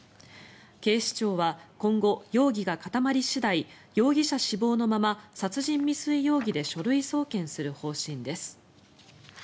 警視庁は今後、容疑が固まり次第容疑者死亡のまま殺人未遂容疑で書類送検する方針です。